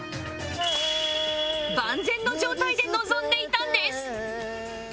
万全の状態で臨んでいたんです